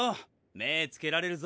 目ぇつけられるぞ。